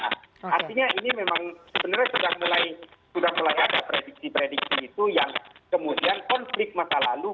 artinya ini memang sebenarnya sudah mulai ada prediksi prediksi itu yang kemudian konflik masa lalu